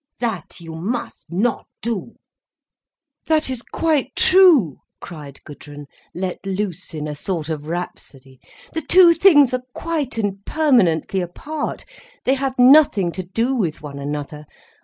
That you must not do." "That is quite true," cried Gudrun, let loose in a sort of rhapsody. "The two things are quite and permanently apart, they have nothing to do with one another.